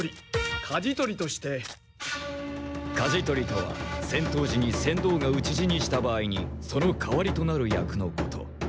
舵取りとは戦とう時に船頭が討ち死にした場合にその代わりとなる役のこと。